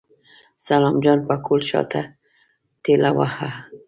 سلام جان پکول شاته ټېلوهه.